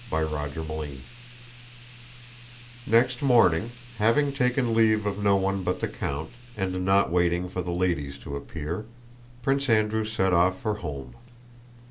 CHAPTER III Next morning, having taken leave of no one but the count, and not waiting for the ladies to appear, Prince Andrew set off for home.